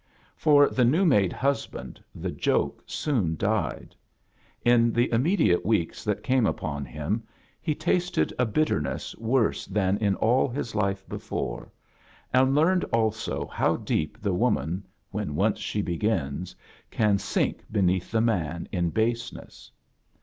For the new uiade husband the joke soon died. In the im mediate weeks that came upon him he tasted a bitterness worse than in all his life before, and learned also how d^p the woman, when once she begins, can sink be neath the man in baseness.